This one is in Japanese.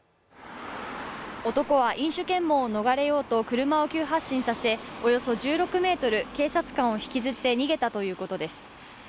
男は飲酒検問を逃れようと車を急発進させおよそ１６ｍ、警察官を引きずって逃げたということです